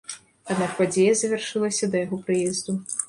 Аднак падзея завяршылася да яго прыезду.